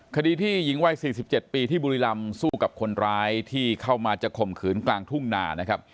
คดีที่หญิงวัย๔๗ปีที่บุรีรำสู้กับคนร้ายที่เข้ามาจะข่มขืนกลางทุ่งนานะครับ